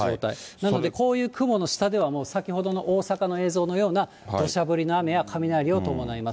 なので、こういう雲の下では、もう先ほどの大阪の映像のようなどしゃ降りの雨や雷を伴います。